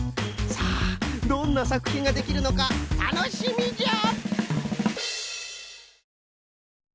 さあどんなさくひんができるのかたのしみじゃ！